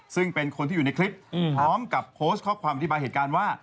ซึ่งเป็นคนที่อยู่ในคลิปพร้อมกับโพสต์ข้อความอธิบายเหตุการณ์ว่า